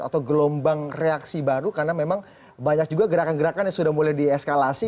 atau gelombang reaksi baru karena memang banyak juga gerakan gerakan yang sudah mulai dieskalasi